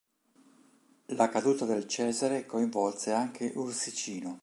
La caduta del cesare coinvolse anche Ursicino.